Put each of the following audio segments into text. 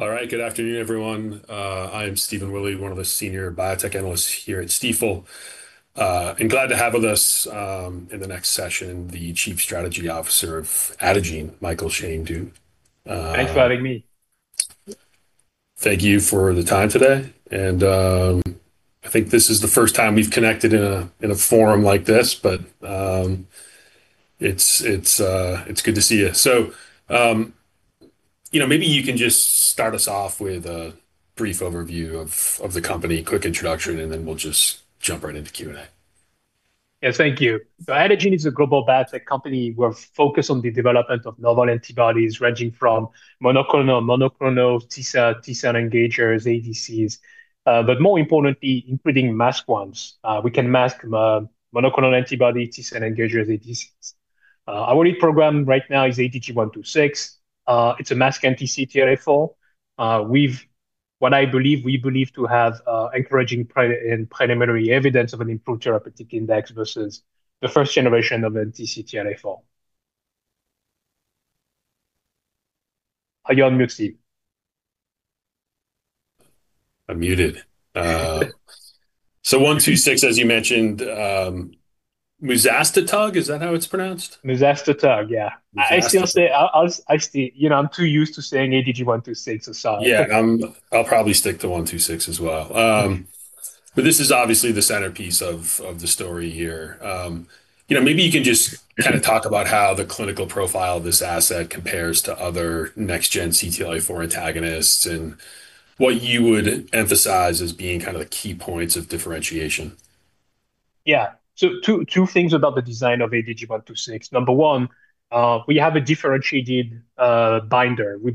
All right. Good afternoon, everyone. I'm Stephen Willey, one of the senior biotech analysts here at Stifel. Glad to have with us, in the next session, the Chief Strategy Officer of Adagene, Mickael Chane-Du. Thanks for having me. Thank you for the time today. I think this is the first time we've connected in a forum like this. It's good to see you. You know, maybe you can just start us off with a brief overview of the company, quick introduction, and then we'll just jump right into Q&A. Yeah, thank you. Adagene is a global biotech company. We're focused on the development of novel antibodies ranging from monoclonal T-cell, T-cell engagers, ADCs, but more importantly, including masked ones. We can mask monoclonal antibody T-cell engagers, ADCs. Our lead program right now is ADG126. It's a masked anti-CTLA-4. We believe to have encouraging preliminary evidence of an improved therapeutic index versus the first generation of anti-CTLA-4. Are you on mute, Stephen? Unmuted. ADG126 as you mentioned, muzastotug, is that how it's pronounced? Muzastotug, yeah. Muzastotug. I see, I still You know, I'm too used to saying ADG126. Sorry. Yeah. I'll probably stick to ADG126 as well. This is obviously the centerpiece of the story here. You know, maybe you can just kind of talk about how the clinical profile of this asset compares to other next gen CTLA-4 antagonists and what you would emphasize as being kind of the key points of differentiation. Yeah. Two things about the design of ADG126. Number one, we have a differentiated binder. The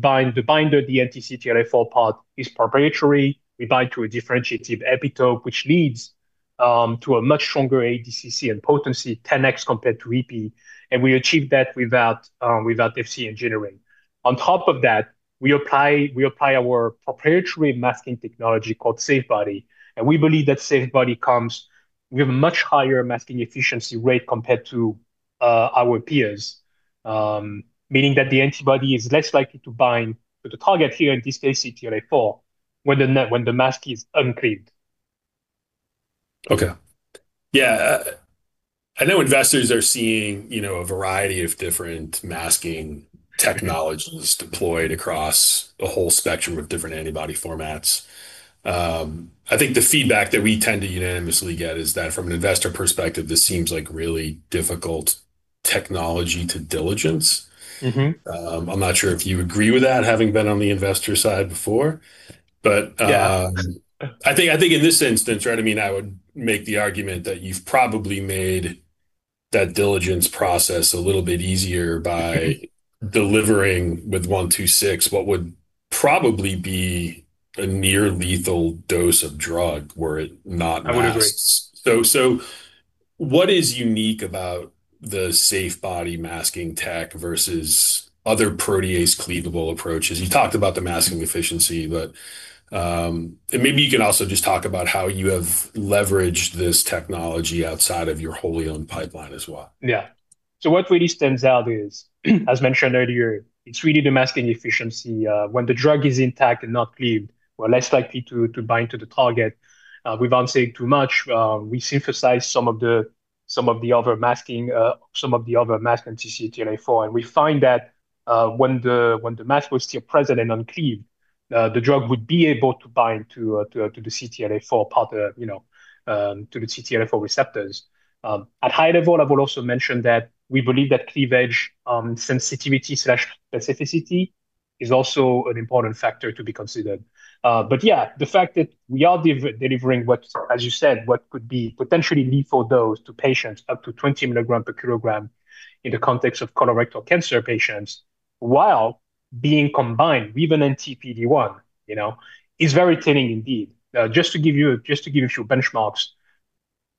binder, the anti-CTLA-4 part is proprietary. We bind to a differentiated epitope, which leads to a much stronger ADCC and potency, 10X compared to ipilimumab, and we achieve that without Fc engineering. On top of that, we apply our proprietary masking technology called SAFEbody, and we believe that SAFEbody comes with a much higher masking efficiency rate compared to our peers. Meaning that the antibody is less likely to bind to the target here, in this case CTLA-4, when the mask is uncleaved. Okay. Yeah. I know investors are seeing, you know, a variety of different masking technologies deployed across a whole spectrum of different antibody formats. I think the feedback that we tend to unanimously get is that from an investor perspective, this seems like really difficult technology to diligence. I'm not sure if you agree with that, having been on the investor side before. Yeah. I think in this instance, I mean, I would make the argument that you've probably made that diligence process a little bit easier by delivering with ADG126 what would probably be a near lethal dose of drug were it not masked. I would agree. What is unique about the SAFEbody masking tech versus other protease cleavable approaches? You talked about the masking efficiency, but maybe you can also just talk about how you have leveraged this technology outside of your wholly owned pipeline as well. Yeah. What really stands out is, as mentioned earlier, it's really the masking efficiency. When the drug is intact and not cleaved, we're less likely to bind to the target. Without saying too much, we synthesized some of the other masking, some of the other masked anti-CTLA-4, and we find that when the mask was still present and uncleaved, the drug would be able to bind to the CTLA-4 part, you know, to the CTLA-4 receptors. At high level, I will also mention that we believe that cleavage sensitivity/specificity is also an important factor to be considered. Yeah, the fact that we are delivering what, as you said, what could be potentially lethal dose to patients up to 20 mg/kg in the context of colorectal cancer patients while being combined, even in PD-1, you know, is very telling indeed. Just to give you a few benchmarks,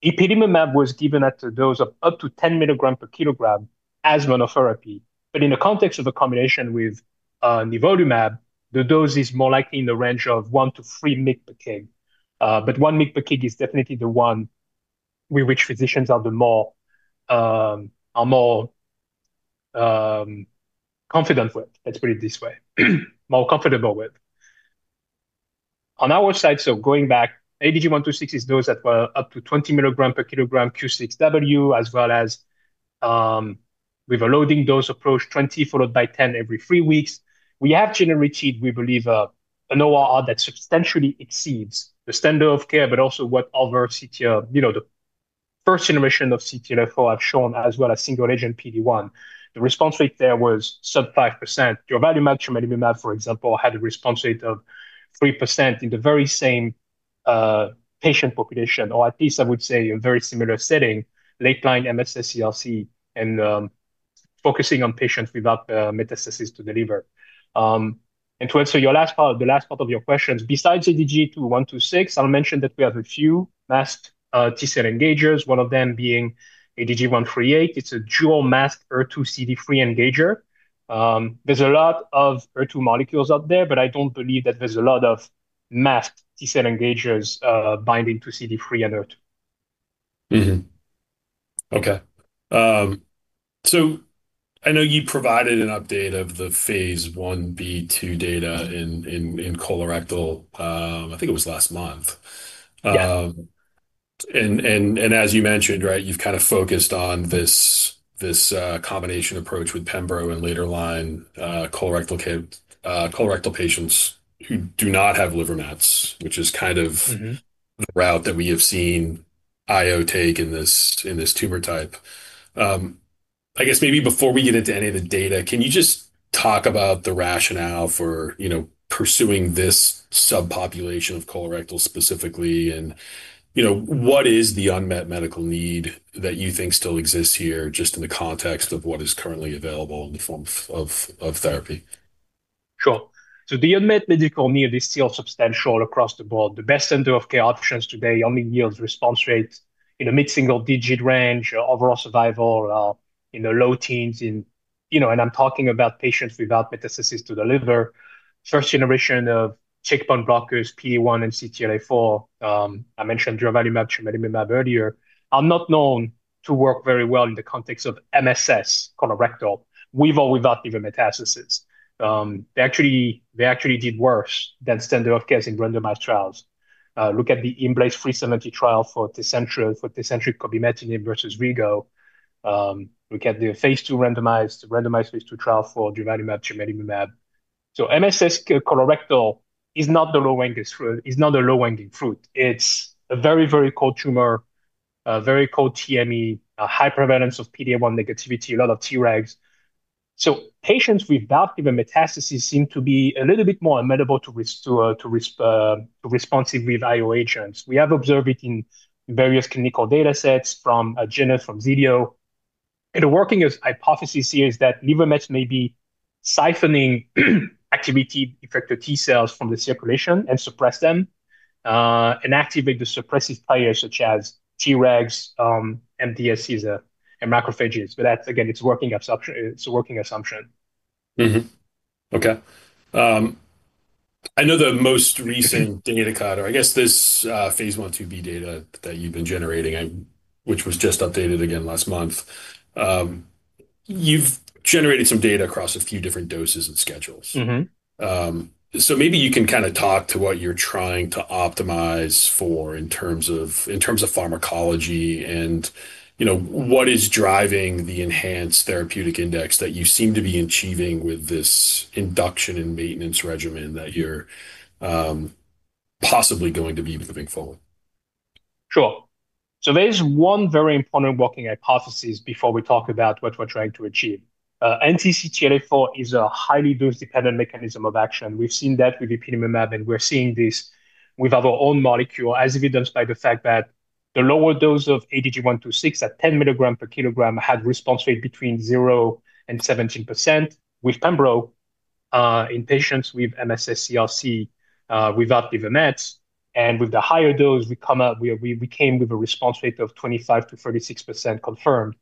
ipilimumab was given at a dose of up to 10 mg/kg as monotherapy. In the context of a combination with nivolumab, the dose is more likely in the range of 1 mg-3 mg/kg. 1 mg/kg is definitely the one with which physicians are more confident with, let's put it this way. More comfortable with. On our side, going back, ADG126 is dosed up to 20 mg per kilogram Q6W, as well as with a loading dose approach, 20 mg followed by 10 mg every three weeks. We have generated, we believe, an ORR that substantially exceeds the standard of care, also what other CTLA-4, you know, the first generation of CTLA-4 have shown, as well as single agent PD-1. The response rate there was sub 5%. Durvalumab, tremelimumab, for example, had a response rate of 3% in the very same patient population, or at least I would say a very similar setting, late-line MSS-CRC and focusing on patients without metastasis to the liver. To answer your last part, the last part of your questions, besides ADG126, I will mention that we have a few masked T-cell engagers, one of them being ADG138. It's a dual masked HER2 CD3 engager. There's a lot of HER2 molecules out there, but I don't believe that there's a lot of masked T-cell engagers binding to CD3 and HER2. Okay. I know you provided an update of the phase Ib/II data in colorectal, I think it was last month. Yeah. As you mentioned, right, you've kind of focused on this combination approach with pembrolizumab and later line colorectal patients who do not have liver mets, which is kind of. The route that we have seen IO take in this, in this tumor type. I guess maybe before we get into any of the data, can you just talk about the rationale for, you know, pursuing this subpopulation of colorectal specifically and, you know, what is the unmet medical need that you think still exists here just in the context of what is currently available in the form of therapy? Sure. The unmet medical need is still substantial across the board. The best center of care options today only yields response rates in a mid-single-digit range, overall survival in the low teens in, you know, and I'm talking about patients without metastasis to the liver. First generation of checkpoint blockers, PD-1 and CTLA-4, I mentioned durvalumab, tremelimumab earlier, are not known to work very well in the context of MSS colorectal with or without liver metastasis. They actually did worse than standard of care in randomized trials. Look at the IMblaze370 trial for TECENTRIQ cobimetinib versus Rego. Look at the phase II randomized phase II trial for durvalumab, tremelimumab. MSS colorectal is not the low-hanging fruit. It's a very cold tumor, a very cold TME, a high prevalence of PD-L1 negativity, a lot of Tregs. Patients without liver metastasis seem to be a little bit more amenable to response evaluation. We have observed it in various clinical data sets from Genentech, from Xilio. The working hypothesis here is that liver mets may be siphoning activity effector T-cells from the circulation and suppress them and activate the suppressive players such as Tregs, MDSCs and macrophages. That's again, it's a working assumption. Okay. I know the most recent data cut, or I guess this phase I/IIb data that you've been generating and which was just updated again last month. You've generated some data across a few different doses and schedules. Maybe you can kinda talk to what you're trying to optimize for in terms of, in terms of pharmacology and, you know, what is driving the enhanced therapeutic index that you seem to be achieving with this induction and maintenance regimen that you're possibly going to be moving forward? Sure. There is one very important working hypothesis before we talk about what we're trying to achieve. Anti-CTLA-4 is a highly dose-dependent mechanism of action. We've seen that with ipilimumab, and we're seeing this with our own molecule as evidenced by the fact that the lower dose of ADG126 at 10 mg/kg had response rate between 0% and 17% with pembrolizumab in patients with MSS-CRC without liver mets. With the higher dose, we came with a response rate of 25%-36% confirmed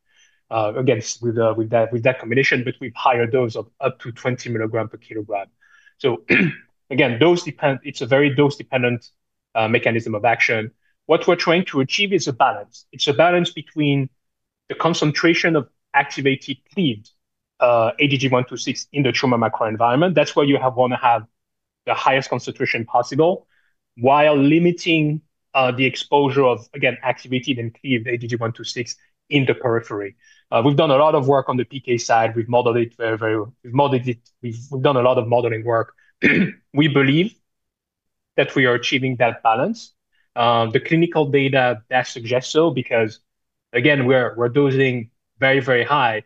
against with that combination, but with higher dose of up to 20 mg/kg. Again, it's a very dose-dependent mechanism of action. What we're trying to achieve is a balance. It's a balance between the concentration of activated cleaved ADG126 in the tumor microenvironment. That's where you wanna have the highest concentration possible while limiting the exposure of, again, activated and cleaved ADG126 in the periphery. We've done a lot of work on the PK side. We've done a lot of modeling work. We believe that we are achieving that balance. The clinical data does suggest so because, again, we're dosing very, very high.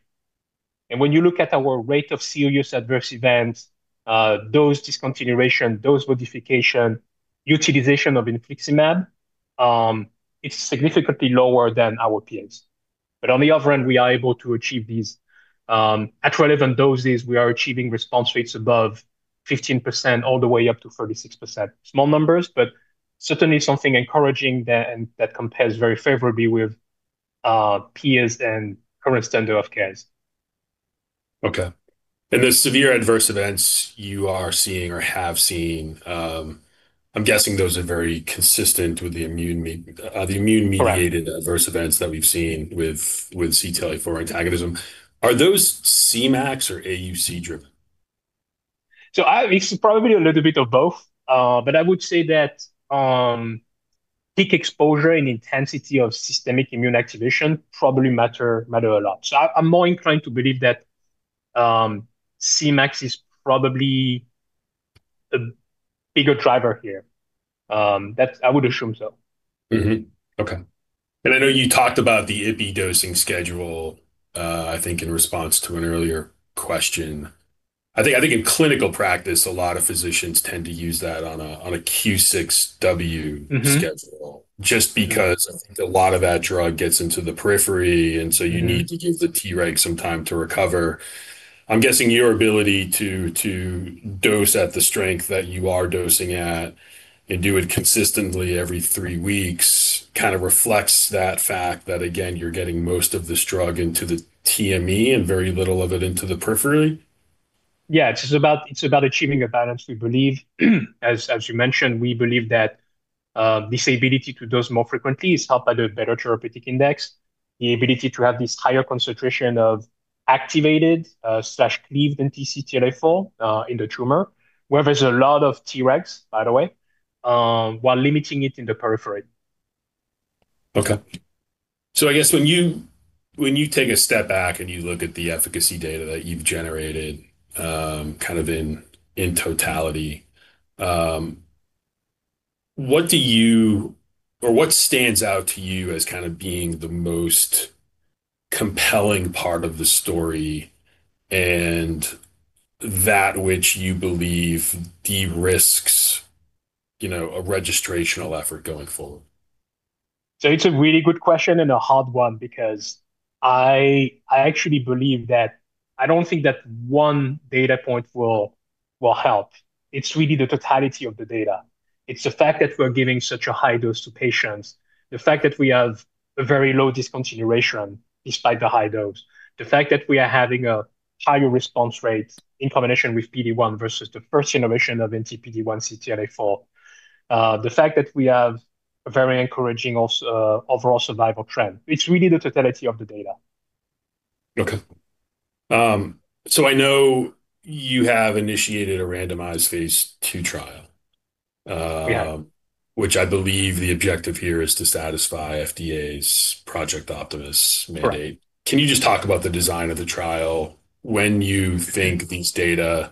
When you look at our rate of serious adverse events, dose discontinuation, dose modification, utilization of infliximab, it's significantly lower than our peers. On the other end, we are able to achieve these, at relevant doses, we are achieving response rates above 15% all the way up to 36%. Small numbers, certainly something encouraging that, and that compares very favorably with peers and current standard of care. Okay. The severe adverse events you are seeing or have seen, I'm guessing those are very consistent with the immune- Correct mediated adverse events that we've seen with CTLA-4 antagonism. Are those Cmax or AUC driven? It's probably a little bit of both. I would say that peak exposure and intensity of systemic immune activation probably matter a lot. I'm more inclined to believe that Cmax is probably the bigger driver here. I would assume so. Okay. I know you talked about the IPI dosing schedule, I think in response to an earlier question. I think in clinical practice, a lot of physicians tend to use that on a Q6W. Schedule just because I think a lot of that drug gets into the periphery, and so you need to give the Treg some time to recover. I'm guessing your ability to dose at the strength that you are dosing at and do it consistently every three weeks kinda reflects that fact that again, you're getting most of this drug into the TME and very little of it into the periphery? It's just about achieving a balance. We believe, as you mentioned, we believe that this ability to dose more frequently is helped by the better therapeutic index. The ability to have this higher concentration of activated, slash cleaved anti-CTLA-4 in the tumor, where there's a lot of Tregs, by the way, while limiting it in the periphery. Okay. I guess when you, when you take a step back and you look at the efficacy data that you've generated, kind of in totality, what stands out to you as kind of being the most compelling part of the story and that which you believe de-risks, you know, a registrational effort going forward? It's a really good question and a hard one because I actually believe that I don't think that one data point will help. It's really the totality of the data. It's the fact that we're giving such a high dose to patients. The fact that we have a very low discontinuation despite the high dose. The fact that we are having a higher response rate in combination with PD-1 versus the first generation of anti-PD-1 CTLA-4. The fact that we have a very encouraging overall survival trend. It's really the totality of the data. Okay. I know you have initiated a randomized phase II trial. Yeah. I believe the objective here is to satisfy FDA's Project Optimus mandate. Correct. Can you just talk about the design of the trial when you think these data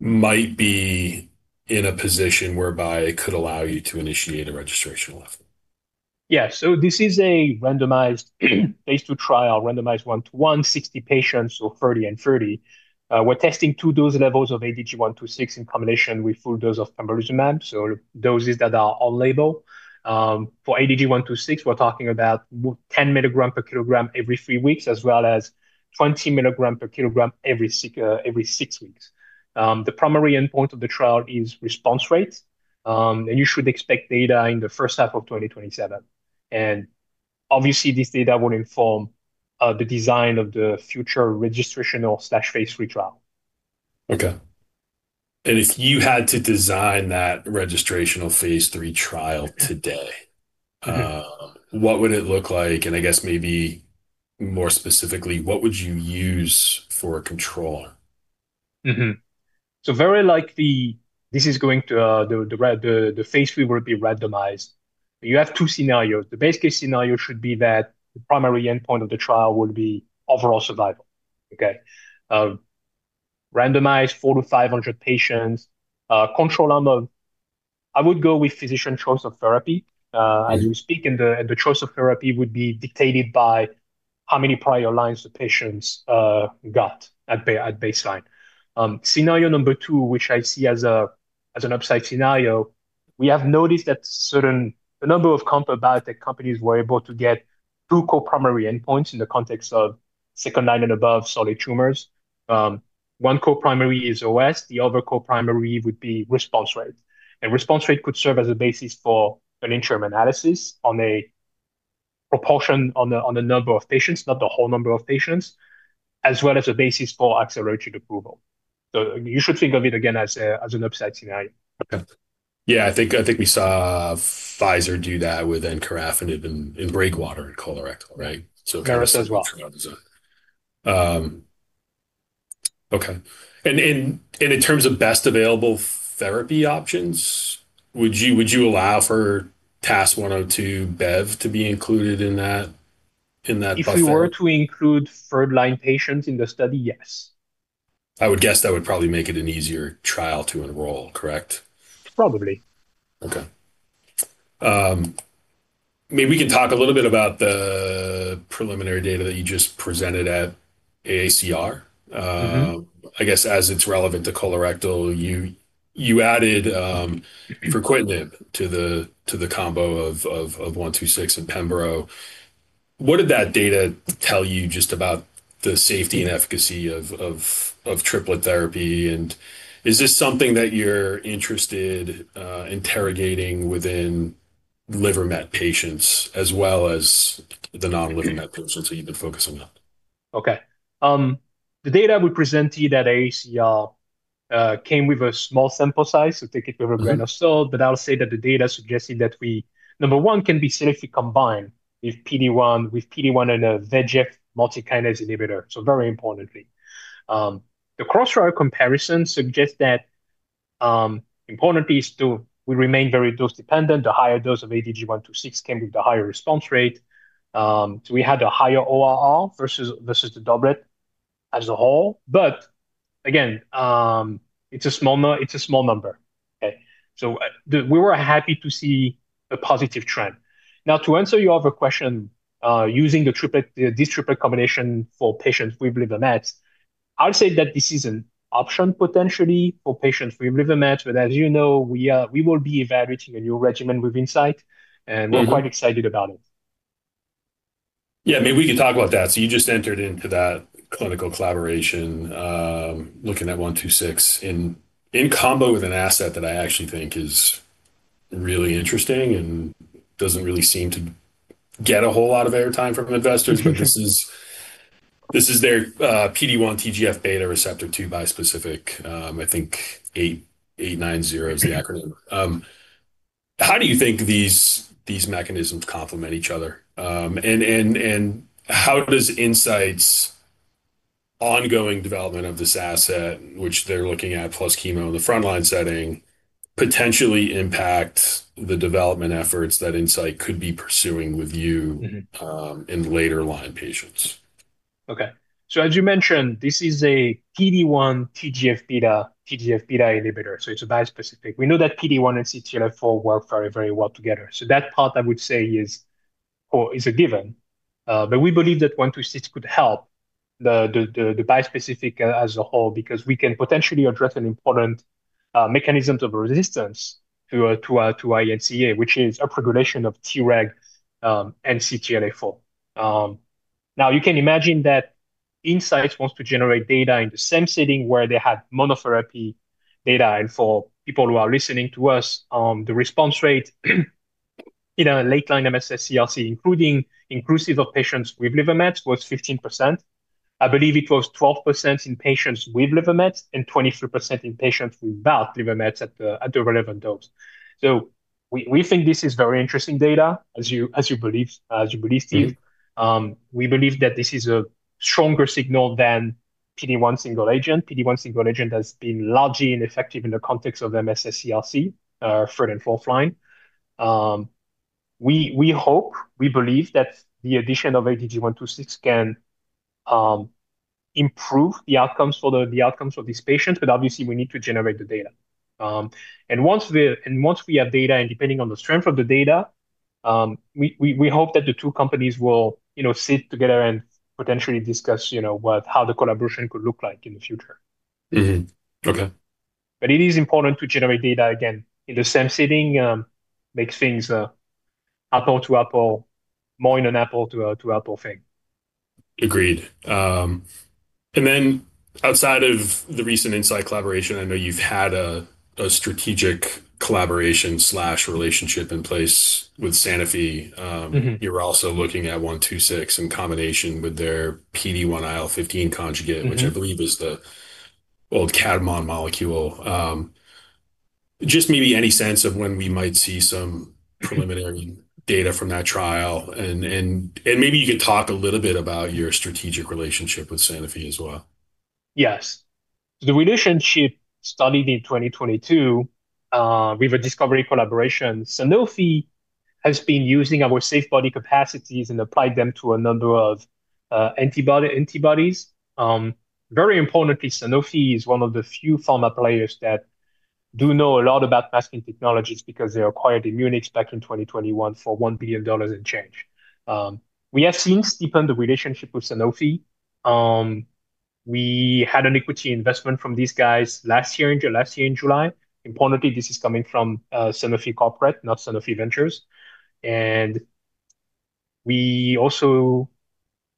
might be in a position whereby it could allow you to initiate a registrational effort? This is a randomized phase II trial, randomized 1-to-1, 60 patients, 30 and 30. We're testing two dose levels of ADG126 in combination with full dose of pembrolizumab, doses that are on label. For ADG126, we're talking about 10 mg/kg every three weeks, as well as 20 mg/kg every six weeks. The primary endpoint of the trial is response rate. Obviously this data will inform the design of the future registrational/phase III trial. Okay. If you had to design that registrational phase III trial today. What would it look like? I guess maybe more specifically, what would you use for a control? Very likely this is going to the phase III will be randomized. You have two scenarios. The base case scenario should be that the primary endpoint of the trial will be overall survival. Okay. Randomize 400-500 patients. Control arm of I would go with physician choice of therapy as we speak, and the choice of therapy would be dictated by how many prior lines the patients got at baseline. Scenario number two, which I see as an upside scenario, we have noticed that a number of biotech companies were able to get two co-primary endpoints in the context of second line and above solid tumors. One co-primary is OS, the other co-primary would be response rate. Response rate could serve as a basis for an interim analysis on a proportion on a number of patients, not the whole number of patients, as well as a basis for accelerated approval. You should think of it again as an upside scenario. Okay. Yeah, I think we saw Pfizer do that with encorafenib in BREAKWATER colorectal, right? Kartos as well. Okay. In terms of best available therapy options, would you allow for TAS-102 Bev to be included in that buffet? If we were to include third-line patients in the study, yes. I would guess that would probably make it an easier trial to enroll, correct? Probably. Maybe we can talk a little bit about the preliminary data that you just presented at AACR. I guess as it's relevant to colorectal, you added fruquintinib to the combo of ADG126 and pembrolizumab. What did that data tell you just about the safety and efficacy of triplet therapy? Is this something that you're interested interrogating within liver met patients as well as the non-liver met patients that you've been focusing on? Okay. The data we presented at AACR came with a small sample size, so take it with a grain of salt. I'll say that the data suggesting that we, number one, can be safely combined with PD-1, with PD-1 and a VEGF multikinase inhibitor, so very importantly. The crossroad comparison suggests that importantly we remain very dose-dependent. The higher dose of ADG126 came with a higher response rate. We had a higher ORR versus the doublet as a whole. Again, it's a small number. We were happy to see a positive trend. Now, to answer your other question, using the triplet, this triplet combination for patients with liver mets, I'll say that this is an option potentially for patients with liver mets. As you know, we will be evaluating a new regimen with Incyte, and we're quite excited about it. Yeah, maybe we can talk about that. You just entered into that clinical collaboration, looking at 126 in combo with an asset that I actually think is really interesting and doesn't really seem to get a whole lot of airtime from investors. This is their PD-1/TGF-β receptor II bispecific. I think 8890 is the acronym. How do you think these mechanisms complement each other? And how does Incyte's ongoing development of this asset, which they're looking at plus chemo in the frontline setting, potentially impact the development efforts that Incyte could be pursuing with you in later line patients? As you mentioned, this is a PD-1/TGF-β, TGF-β inhibitor, so it's bispecific. We know that PD-1 and CTLA-4 work very, very well together. That part I would say is a given. We believe that ADG126 could help the bispecific as a whole because we can potentially address an important mechanisms of resistance to INCA which is a regulation of Tregs and CTLA-4. Now you can imagine that Incyte wants to generate data in the same setting where they had monotherapy data. For people who are listening to us, the response rate, you know, late-line MSS CRC including inclusive of patients with liver mets was 15%. I believe it was 12% in patients with liver mets and 23% in patients without liver mets at the relevant dose. We think this is very interesting data, as you believe, Steve. We believe that this is a stronger signal than PD-1 single agent. PD-1 single agent has been largely ineffective in the context of MSS CRC, third and fourth line. We hope, we believe that the addition of ADG126 can improve the outcomes for these patients, obviously we need to generate the data. Once we have data and depending on the strength of the data, we hope that the two companies will, you know, sit together and potentially discuss, you know, how the collaboration could look like in the future. Okay. It is important to generate data again in the same setting, make things apple to apple, more in an apple to apple thing. Agreed. Outside of the recent Incyte collaboration, I know you've had a strategic collaboration/relationship in place with Sanofi. You're also looking at ADG126 in combination with their PD-1/IL-15 conjugate. Which I believe is the old Kadmon molecule, just maybe any sense of when we might see some preliminary data from that trial and maybe you could talk a little bit about your strategic relationship with Sanofi as well? Yes. The relationship started in 2022 with a discovery collaboration. Sanofi has been using our SAFEbody capabilities and applied them to a number of antibodies. Very importantly, Sanofi is one of the few pharma players that do know a lot about masking technologies because they acquired Amunix back in 2021 for $1 billion and change. We have since deepened the relationship with Sanofi. We had an equity investment from these guys last year in July. Importantly, this is coming from Sanofi corporate, not Sanofi Ventures. We also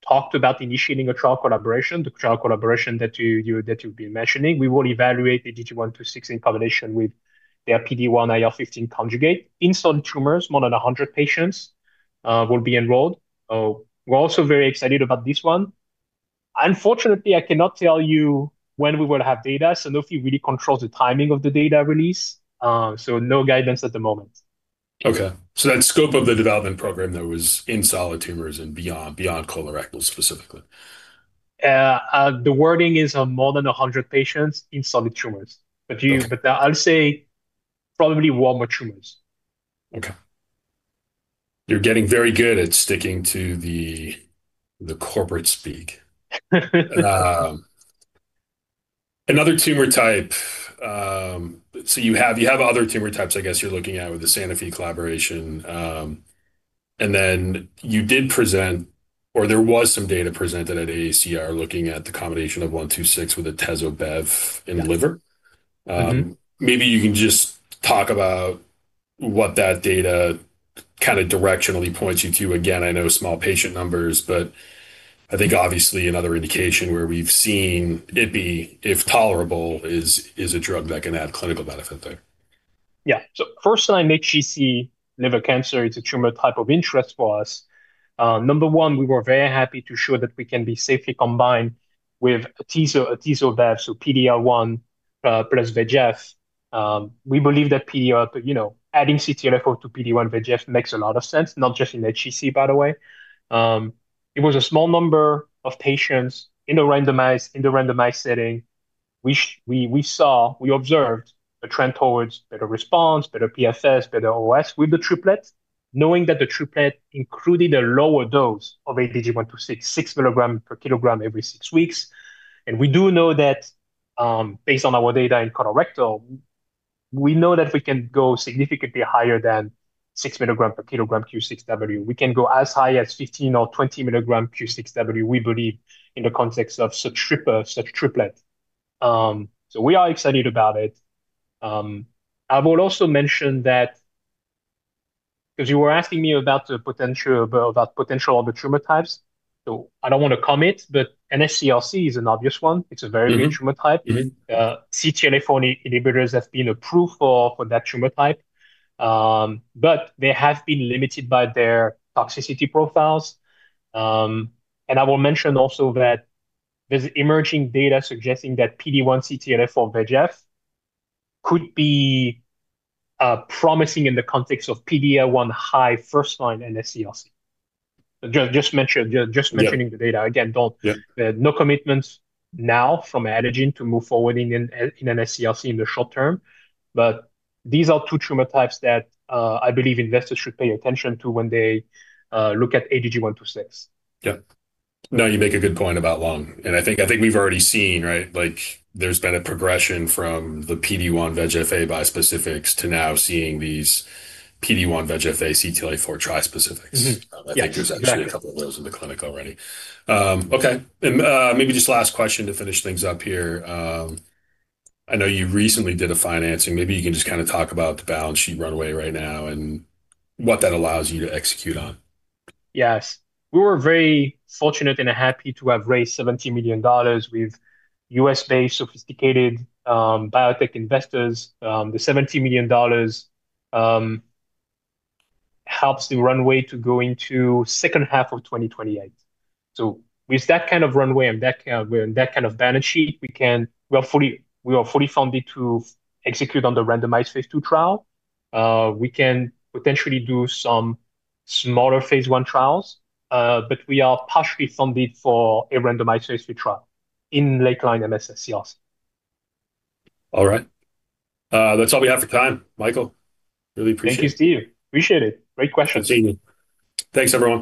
talked about initiating a trial collaboration, the trial collaboration that you've been mentioning. We will evaluate ADG126 in combination with their PD-1/IL-15 conjugate in solid tumors. More than 100 patients will be enrolled. We're also very excited about this one. Unfortunately, I cannot tell you when we will have data. Sanofi really controls the timing of the data release, so no guidance at the moment. Okay. That scope of the development program though was in solid tumors and beyond colorectal specifically. The wording is more than 100 patients in solid tumors. Okay. I'll say probably warmer tumors. Okay. You're getting very good at sticking to the corporate speak. You have other tumor types, I guess, you're looking at with the Sanofi collaboration. Then you did present or there was some data presented at AACR looking at the combination of ADG126 with atezolizumab-bevacizumab in liver. Maybe you can just talk about what that data kind of directionally points you to. Again, I know small patient numbers, but I think obviously another indication where we've seen it be, if tolerable, is a drug that can add clinical benefit there. First line HCC liver cancer, it's a tumor type of interest for us. Number one, we were very happy to show that we can be safely combined with atezolizumab-bevacizumab, PD-L1 plus VEGF. We believe that adding CTLA-4 to PD-1 VEGF makes a lot of sense, not just in HCC, by the way. It was a small number of patients in the randomized setting. We observed a trend towards better response, better PFS, better OS with the triplet, knowing that the triplet included a lower dose of ADG126, 6 mg/kg every six weeks. We do know that, based on our data in colorectal, we know that we can go significantly higher than 6 mg/kg Q6W. We can go as high as 15 mg or 20 mg Q6W, we believe, in the context of such triplet. We are excited about it. I will also mention that because you were asking me about the potential of the tumor types. I don't want to commit, but NSCLC is an obvious one. It's a very good tumor type. CTLA-4 inhibitors have been approved for that tumor type. They have been limited by their toxicity profiles. I will mention also that there's emerging data suggesting that PD-1 CTLA-4 VEGF could be promising in the context of PD-L1 high first-line NSCLC. Yeah the data. Again. Yeah No commitments now from Adagene to move forward in NSCLC in the short term. These are two tumor types that, I believe investors should pay attention to when they look at ADG126. Yeah. No, you make a good point about lung. I think we've already seen, right, like there's been a progression from the PD-1 VEGF-A bispecifics to now seeing these PD-1 VEGF-A CTLA-4 trispecifics. Yeah, exactly. I think there's actually a couple of those in the clinic already. Okay. Maybe just last question to finish things up here. I know you recently did a financing. Maybe you can just kind of talk about the balance sheet runway right now and what that allows you to execute on. Yes. We were very fortunate and happy to have raised $70 million with U.S.-based sophisticated biotech investors. The $70 million helps the runway to go into second half of 2028. With that kind of runway and that kind of balance sheet, we are fully funded to execute on the randomized phase II trial. We can potentially do some smaller phase I trials. We are partially funded for a randomized phase II trial in late-line MSS-CRC. All right. That's all we have for time, Mickael. Really appreciate it. Thank you, Steve. Appreciate it. Great questions. See you. Thanks everyone.